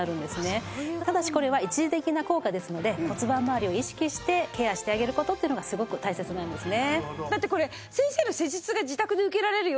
ただしこれは一時的な効果ですので骨盤まわりを意識してケアしてあげる事っていうのがすごく大切なんですね。